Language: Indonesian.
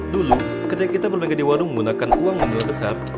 dulu ketika kita bermain di warung menggunakan uang mobil besar